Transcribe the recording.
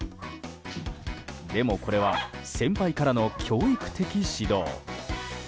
でも、これは先輩からの教育的指導。